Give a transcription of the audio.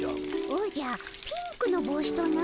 おじゃピンクの帽子とな。